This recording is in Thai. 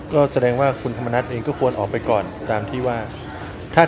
ก็แสดงว่าคุณธรรมนัฐเองก็ควรออกไปก่อนตามที่ว่า